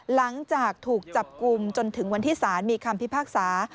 หลังจากถูกจับกลุ่มจนถึงวันที่สารมีคำพิพากษา